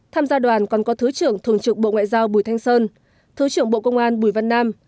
tham gia đoàn còn có thứ trưởng thường trực bộ ngoại giao bùi thanh sơn thứ trưởng bộ công an bùi văn nam